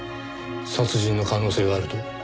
殺人の可能性があると？